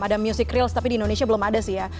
ada music reals tapi di indonesia belum ada sih ya